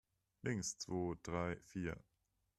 Links, zwo, drei, vier!